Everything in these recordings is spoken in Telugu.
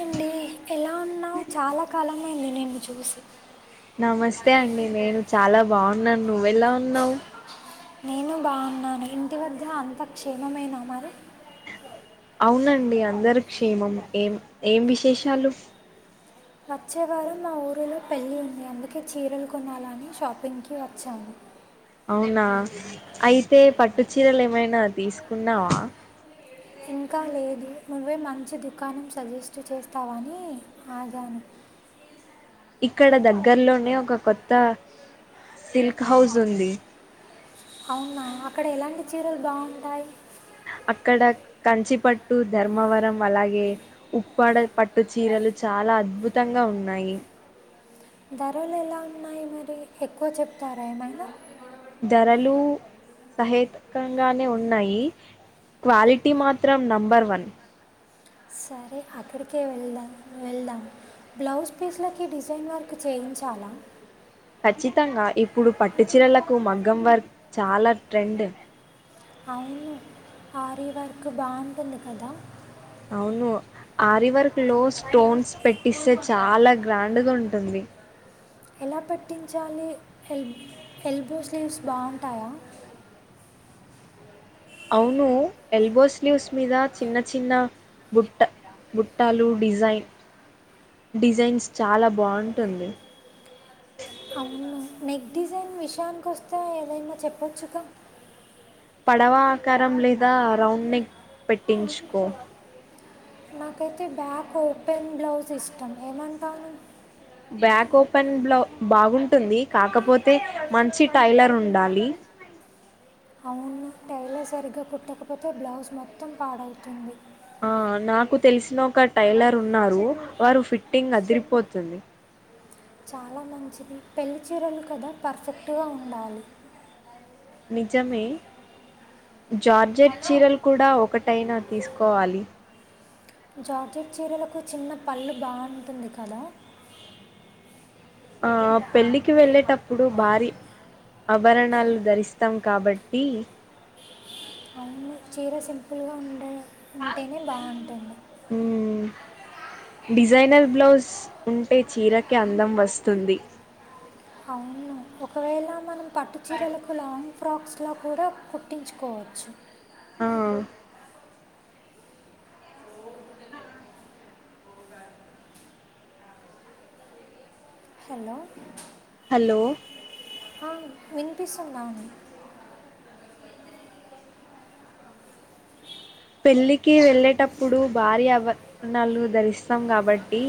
అండి ఎలా ఉన్నావు చాలా కాలమైంది నిన్ను చూసి. నమస్తే అండి నేను చాలా బాగున్నాను నువ్వెలా ఉన్నావ్ నేను బాగున్నాను ఇంటి వద్ద అంత క్షేమమేనా మరి. అవునండి అందరు క్షేమం ఏం ఏం విశేషాలు వచ్చేవారమ్ మా ఊరిలో పెళ్ళి ఉంది అందుకే చీరలు కొనాలని షాపింగ్కి వచ్చాము. అవునా అయితే పట్టు చీరలు ఏమైనా తీసుకున్నావా. ఇంకా లేదు నువ్వే మంచి దుకాణం సజెస్ట్ చేస్తావని ఆగాను. [inaudible] ఇక్కడ దగ్గర్లోనే ఒక కొత్త సిల్క్ హౌస్ ఉంది. అవునా అక్కడ ఎలాంటి చీరలు బాగుంటాయ్. అక్కడ కంచిపట్టు ధర్మవరం అలాగే ఉప్పాడ పట్టు చీరల్ చాలా అద్భుతంగా ఉన్నాయి ధరలు ఎలా ఉన్నాయి మరి ఎక్కువ చెప్తారా ఏమైనా. ధరలు సహేతకంగానే ఉన్నాయి క్వాలిటీ మాత్రం నంబర్ వన్. సరే అక్కడికే వెళ్దాం వెళ్దాం బ్లౌజ్ పీస్లకి డిజైన్ వర్క్ చేయించాలా ఖచ్చితంగా ఇప్పుడు పట్టుచీరలకు మగ్గం వర్ చాలా ట్రెండ్. అవును ఆరివర్క్ బాగుంటుంది కదా అవును ఆరివర్క్ లో స్టోన్స్ పెట్టిస్తే చాలా గ్రాండ్గా ఉంటుంది. [inaudible] ఎలా పట్టించాలి ఎల్ ఎల్బో స్లీవ్స్ బాగుంటాయా. [inaudible] అవును ఎల్బో స్లీవ్స్ మీద చిన్న చిన్న బుట్ట బుట్టాలు డిజైన్ డిజైన్స్ చాలా బాగుంటుంది అవును నెక్ డిజైన్ విషయానికి వస్తే ఏదైనా చెప్పొచ్చుగా. పడవ ఆకారం లేదా రౌండ్ నెక్ పెట్టించుకో. నాకైతే బ్యాక్ ఓపెన్ బ్లౌజ్ ఇష్టం ఏమంటావ్ నువ్వు. బ్యాక్ ఓపెన్ బ్ బాగుంటుంది కాకపోతే మంచి టైలర్ ఉండాలి. [inaudible] అవును టైలర్ సరిగ్గా కుట్టకపోతే బ్లౌజ్ మొత్తం పాడవుతుంది. ఆ నాకు తెలిసిన ఒక టైలర్ ఉన్నారు వారు ఫిట్టింగ్ అదిరిపోతుంది. చాలా మంచిది పెళ్లి చీరలు కదా పర్ఫెక్ట్గా ఉండాలి. నిజమే జార్జెట్ చీరలు కూడా ఒకటైనా తీసుకోవాలి. జార్జెట్ చీరలకు చిన్న పళ్ళు బాగుంటుంది కదా. ఆ పెళ్ళికి వెళ్ళేటప్పుడు భారీ ఆభరణాలు ధరిస్తాం కాబట్టి అవును చీర సింపుల్గా ఉండే ఉంటేనే బాగుంటుంది మ్మ్ డిజైనర్ బ్లౌజ్ ఉంటే చీరకే అందం వస్తుంది. అవును ఒకవేళ మనం పట్టు చీరలకు లాంగ్ ఫ్రాక్స్ లా కూడా పట్టించుకోవచ్చు ఆ స్థాందా హలో ఆ విన్పిస్తుందా అని పెళ్ళికి వెళ్ళేటప్పుడు భారీ అవరణలు ధరిస్తాం కాబట్టి.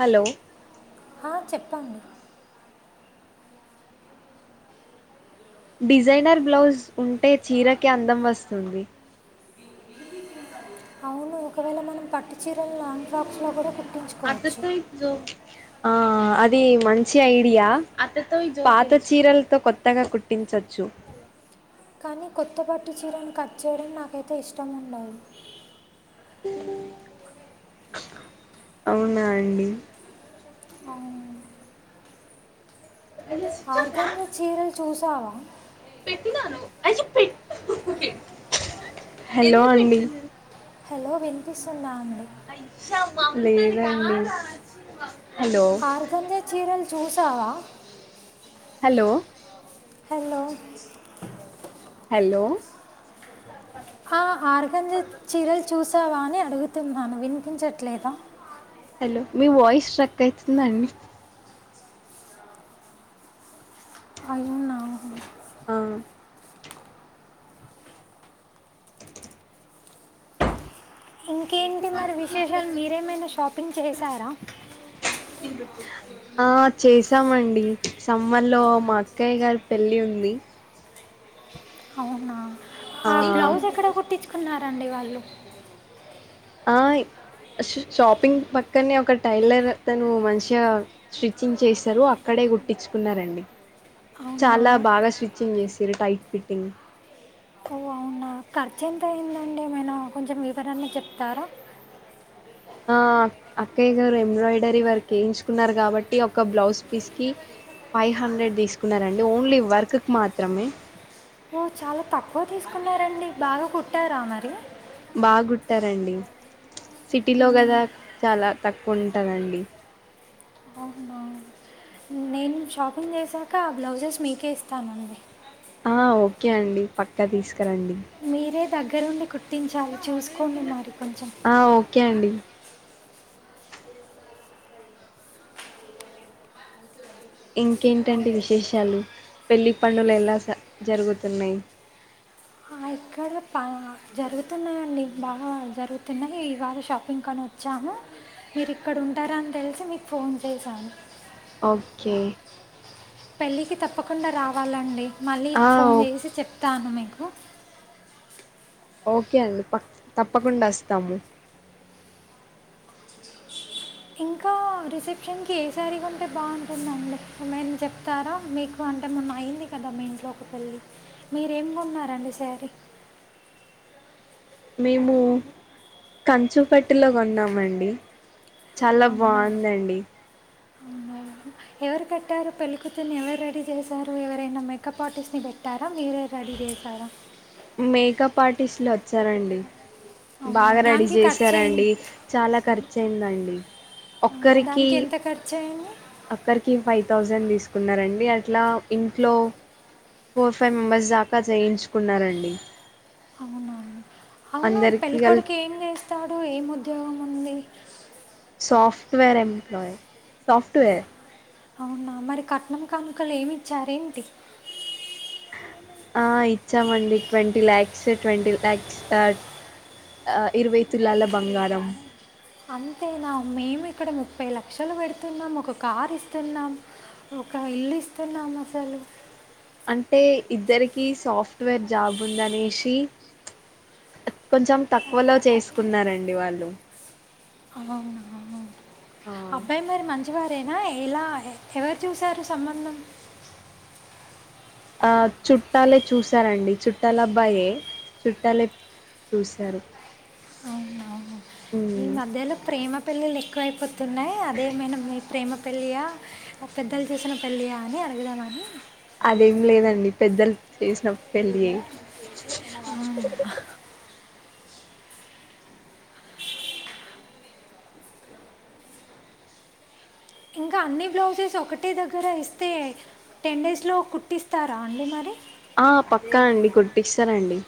హలో ఆ చెప్పండి డిజైనర్ బ్లౌజ్ ఉంటే చీరకి అందం వస్తుంది అవును ఒకవేళ మనం పట్టు చీరలు లాంగ్ ఫ్రాక్స్ లో కూడా కుట్టించుకోవచ్చు అదతో జో అది మంచి ఐడియా పాత చీరలతో కొత్తగా కుట్టించొచ్చు కానీ కొత్త పట్టుచీరను కట్ చేయడం నాకైతే ఇష్టం ఉండదు అవునా అండి అవును. ఆర్గంగ చీరలు చూసావా హలో అండి హలో వినిపిస్తుందా అండి లేదండి హలో ఆరుగంజా చీరలు చూసావా హలో హలో హలో సావా అని అడుగుతున్నాను వినిపించట్లేదా హలో మీ వాయిస్ స్ట్రక్ అవుతుందండి అవునా అ ఇంకేంటి మరి విశేషాలు మీరేమైనా షాపింగ్ చేశారా ఆ చేసామండి సమ్మర్ లో మా అక్కయ్య గారు పెళ్లి ఉంది అవునా ఆ బ్లౌజ్ ఎక్కడ కుట్టించుకున్నారండి వాళ్ళు ఆ షాపింగ్ పక్కనే ఒక టైలర్ తను మంచిగా స్టిచ్చింగ్ చేస్తరు అక్కడ డే కుట్టించుకున్నరండి అవునా చాలా బాగా స్టిచ్చింగ్ చేసిరు టైట్ ఫిట్టింగ్ ఓ అవునా ఖర్చు ఎంత అయిందండి మేను కొంచెం వివరంగ చెప్తారా ఆ అక్కయ్య గారు ఎంబ్రాయిడరీ వర్క్ వేయించుకున్నారు కాబట్టి ఒక బ్లౌజ్ పీస్ కి ఫైవ్ హండ్రెడ్ తీసుకున్నరండి ఓన్లీ వర్క్ కి మాత్రమే ఓ చాలా తక్కువ తీసుకున్నారండి బాగా కుట్టారా మరి బాగ కుట్టారండి సిటీలో కదా చాలా తక్కువుంటదండి అవునా నేను షాపింగ్ చేసాక ఆ బ్లౌజెస్ మీకే ఇస్తానండి ఆ ఓకే అండి పక్కా తీసుకరండి మీరే దగ్గరుండి కుట్టించాలి చూసుకోండి మరి కొంచెం ఆ ఓకే అండి ఇంకేంటండి విశేషాలు పెళ్లి పనులు ఎలా స జరుగుతున్నాయి ఆ ఎక్క జరుగుతున్నాయిడి బాగా జరుగుతున్నాయి ఇవాళ షాపింగ్కని వచ్చాము మీరు ఇక్కడుంటరని తెలిసి మీకు ఫోన్ చేశాను ఓకే పెళ్ళికి తప్పకుండా రావాలండి మళ్ళీ ఆ ఫోన్ ఓ చేసి చెప్తాను మీకు ఓకే అండి ప తప్పకుండా వస్తాము రిసెప్షన్ కి ఏసారి కొంటే బాగుంటుందండి ఏమైన చెప్తారా మీకు అంటే మొన్న అయి అయింది కదా మీ ఇంట్లో ఒక పెళ్ళి మీరేం కొన్నారండి సారీ మేము కంచుపట్టు లో కొన్నామండి చాలా అవునా బాగుందండి ఎవరు కట్టారు పెళ్ళి కూతురిని ఎవరు రెడీ చేశారు ఎవరైనా మేకప్ ఆర్టిస్ట్ ని పెట్టారా మీరే రెడీ చేసారా మేకప్ ఆర్టిస్ట్లు వచ్చారండి అవునా బాగా రెడీ దానికి ఖర్చు అయింది చేశారండి చాలా ఖర్చు అయిందండి. అవునా దానికి ఎంత ఖర్చ అయింది. అక్కరికి ఫైవ్ థౌజండ్ తీసుకున్నారండి అట్లా ఇంట్లో ఫోర్ ఫైవ్ మెంబర్స్ దాకా చేయించుకున్నారండి. అవునా. అవును అందరికి కలి పెళ్ళికొడుకి ఏం చేస్తాడు ఏం ఉద్యోగం ఉంది. సాఫ్ట్వేర్ ఎంప్లాయ్ సోఫ్ట్వేర్ అవునా మరి కట్నం కానుకలు ఏమి ఇచ్చారేంటి? ఆ ఇచ్చామండి ట్వంటీ ల్యాక్స్ ట్వంటీ ల్యాక్స్ ఆ ఆ ఇరువై తులాల బంగారం అంతేనా మేము ఇక్కడ ముప్పై లక్షలు పెడుతున్నాము ఒక కార్ ఇస్తున్నాం. ఒక ఇల్లు ఇస్తున్నాం అసలు అంటే ఇద్దరికి సాఫ్ట్వేర్ జాబ్ ఉందనేషి కొంచెం తక్కువలో చేసుకున్నారండి వాళ్ళు అవునా ఆ అబ్బాయి మరి మంచి వారేనా ఎలా ఎవరు చూసారు సంబంధం ఆ చుట్టాలే చూసారండి చుట్టాలబ్బాయే చుట్టాలే చూసారు అవునవును ఈ ఉమ్ మధ్యలో ప్రేమ పెళ్లిలు ఎక్కువ ఐపోతున్నాయి అదేమైన మీ ప్రేమ పెళ్లియా పెద్దలు చూసిన పెళ్లియా అని అడుగుదామని అదేం లేదండి పెద్దలు చేసిన పెళ్ళియే ఇంకా అన్ని బ్లౌజెస్ ఒకటే దగ్గర ఇస్తే టెన్ డేస్లో కుట్టిస్తారా అండి మరి ఆ పక్కా అండి కుట్టిస్తారండి.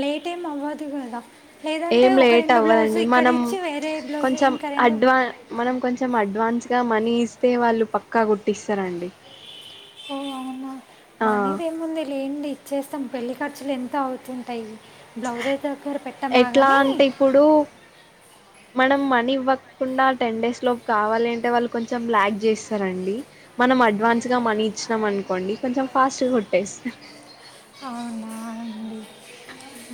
లేట్ ఏం అవ్వదు కదా? లేదంటే ఏం ఒక లేట్ రెండు బ్లౌజ్ అవ్వదండి ఇక్కడ మనం ఇచ్చి వేరే బ్లౌజ్ కొంచెం ఇంకా రెండు అడ్వా మనం కొంచెం అడ్ అడ్వాన్స్గా మనీ ఇస్తే వాళ్ళు పక్కా కుట్టిస్తరండి. ఓ అవునా మనీదేముంది లేండి ఇచ్చేస్ మొత్తం పెళ్లి ఖర్చులు ఎంతో అవుతుంటయి. బ్లౌజుల్ దగ్గర పెట్టమా ఎట్లా గనీ అంటే ఇప్పుడు మనం మనీ ఇవ్వకుండా టెన్ డేస్ లోపు కావాలి అంటే వాళ్ళు కొంచెం లాగ్ చేస్తరండి మనం అడ్వాన్స్గా మనీ ఇచ్చినాం అనుకోండి కొంచెం ఫాస్ట్ గా కుట్టేస్ అవ్ నా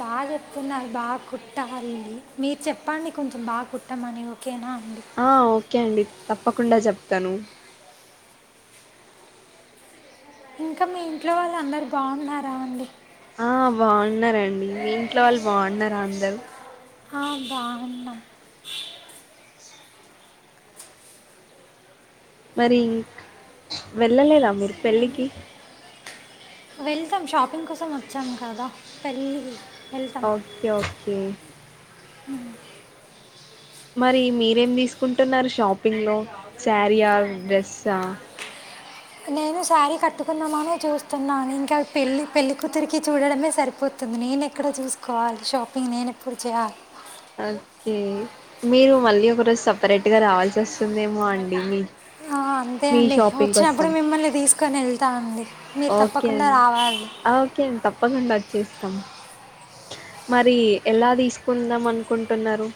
బాగా చెప్తున్నారు బాగా కుట్టాలి మీరు చెప్పండి కొంచెం బాగా కుట్టమని ఓకేనా అండి ఆ ఓకే అండి తప్పకుండా చెప్తను ఇంకా మీ ఇంట్లో వాళ్ళు అందరు బాగున్నారా అండి. ఆ బాగున్నారండి మీ ఇంట్లో వాళ్ళు బాగున్నారా అందరు హా బాగున్నాం. మరిక్ వెళ్ళలేదా మీరు పెళ్ళికి వెళ్తాం షాపింగ్ కోసం వచ్చాం కదా పెళ్ళి ఓకే ఓకే ఉమ్ మరి మీరేం తీసుకుంటున్నారు షాపింగ్ లో సారీయా డ్రస్సా నేను శారీ కట్టుకుందామనే చూస్తున్నాను ఇంకా పెళ్ళి పెళ్లికూతురికి చూడడమే సరిపోతు నేను ఎక్కడ చూసుకోవాలి షాపింగ్ నేను ఎప్పుడు చేయాలి. ఓకే మీరు మళ్ళీ ఒక రోజు సపరేట్ గా రావాల్సి వస్తుందేమో అండి మీ ఆ అంతే మీ అండి షాపింగ్ వచ్చినప్పుడు కోసం మిమ్మల్ని తీసుకొని ఎల్తా అండి. మీరు ఓకే తప్పకుండా అండి రావాలి ఆ ఓకే అండి తప్పకుండా అది అచ్చేస్తాం. మరి ఎలా తీస్కుందాం అనుకుంటున్నారు?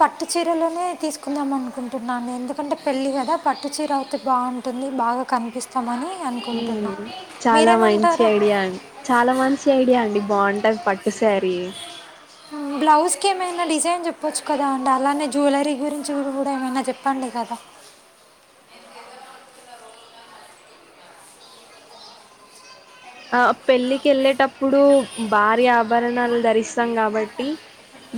పట్టు చీరలోనే తీసుకుందాం అనుకుంటున్నాను ఎందుకంటే పెళ్ళి కదా పట్టు చీర అవుతే బాగుంటుంది బాగ కనిపిస్తమని చాల మంచి ఐడియా అండి చాల మంచి ఐడియా అండి బాంట పట్టుశారి బ్లౌజ్ కి ఏమైన డిజైన్ చెప్పొచ్చు కదా అండి అలానే జ్యులరీ గురించి గుడ మంచిగా ఏమైనా చెప్పండి కదా ఆ పెళ్ళికి ఎళ్ళేటప్పుడు భారీ ఆభరణాలు ధరిస్తాం కాబట్టి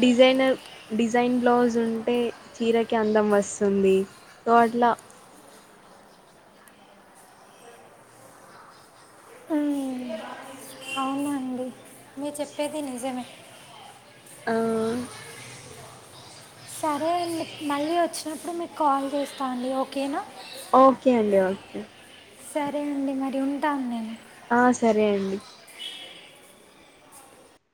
డిజైనర్ డిజైన్ బ్లౌజ్ ఉంటే చీరకి అందం వస్తుంది సో అట్ల మ్మ్. మీర్ చెప్పేది నిజమే ఆ సరే అండి మళ్ళీ వచ్చినప్పుడు మీకు కాల్ చేస్తా అండి ఓకేనా ఒకే అండి ఒకే సరే అండి మరి ఉంటాను నేను ఆ సరే అండి